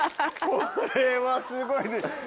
これはすごいです。